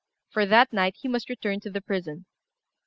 For that night, he must return to the prison.